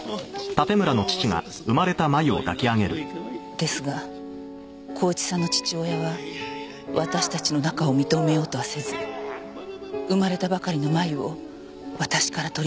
ですが孝一さんの父親は私たちの仲を認めようとはせず生まれたばかりの麻由を私から取り上げ。